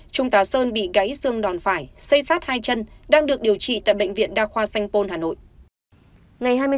trung tá sơn bị gãy xương đòn phải xây sát hai chân đang được điều trị tại bệnh viện đa khoa sanh pôn hà nội